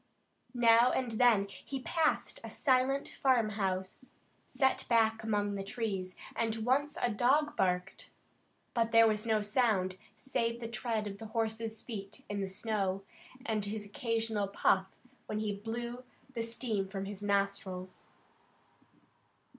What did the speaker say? Now and then he passed a silent farm house, set back among the trees, and once a dog barked, but there was no sound, save the tread of the horse's feet in the snow, and his occasional puff when he blew the steam from his nostrils.